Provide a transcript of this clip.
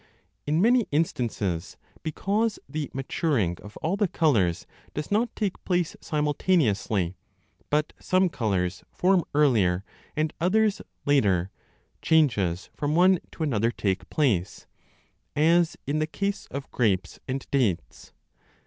In many instances, because the maturing of all the colours does not take place simultaneously, but some colours form earlier and others later, changes from one 25 to another take place, as in the case of grapes and dates.